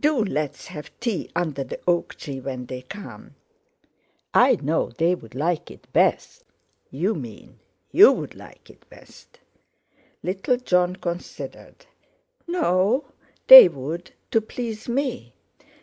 "Do let's have tea under the oak tree when they come; I know they'd like it best." "You mean you'd like it best." Little Jon considered. "No, they would, to please me."